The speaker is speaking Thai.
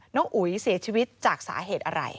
อุ๋ยเสียชีวิตจากสาเหตุอะไร